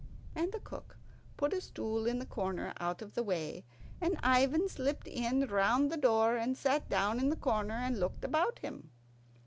And the cook put a stool in a corner out of the way, and Ivan slipped in round the door, and sat down in the corner and looked about him.